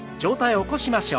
起こしましょう。